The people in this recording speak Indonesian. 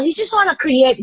dia cuma mau bikin gue keliatan